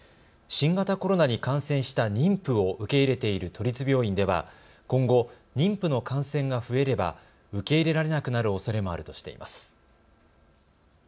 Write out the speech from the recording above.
新型コロナに感染した妊婦を受け入れている都立病院では今後、妊婦の感染が増えれば受け入れられなくなるおそれもあるとしています。